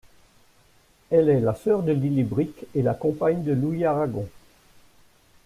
Elle est la sœur de Lili Brik et la compagne de Louis Aragon.